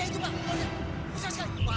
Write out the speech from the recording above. ya ya itu pak